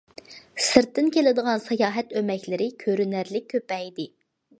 سىرتتىن كېلىدىغان ساياھەت ئۆمەكلىرى كۆرۈنەرلىك كۆپەيدى.